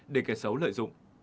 để kẻ xấu lợi dụng